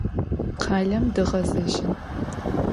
Khalem dğezejın.